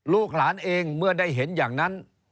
ลูกหลานเองเมื่อได้เห็นอย่างนั้น